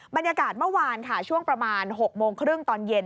บรรยากาศเมื่อวานค่ะช่วงประมาณ๖โมงครึ่งตอนเย็น